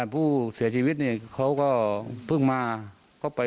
พู่เศรษฐภิกษ์นี้เขาก็เพิ่งมา